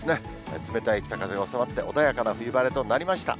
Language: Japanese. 冷たい北風が収まって、穏やかな冬晴れとなりました。